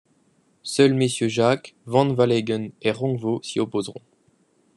Seuls Messieurs Jacques, Van Walleghem et Rongvaux s’y opposeront.